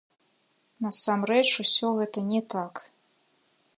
Насамрэч усё гэта не так.